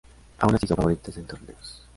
Aun así son favoritas en torneos.